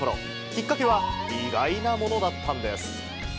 きっかけは意外なものだったんです。